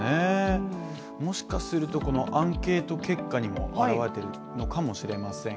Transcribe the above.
もしかすると、アンケート結果にも表れているのかしれません。